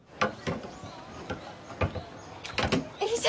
よいしょ！